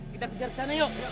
kita pijar sana yuk